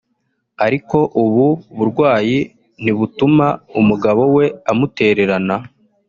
ariko ubu burwayi ntibutuma umugabo we amutererana